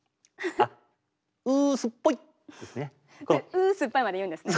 「うすっぱい！」まで言うんですね。